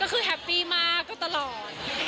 ก็คือแฮปปี้มากก็ตลอด